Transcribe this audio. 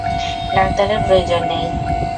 ডাক্তারের প্রয়োজন নেই।